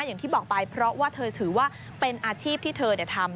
อย่างที่บอกไปเพราะว่าเธอถือว่าเป็นอาชีพที่เธอทำ